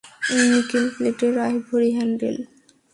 Nickel প্লেটের, ivory handle.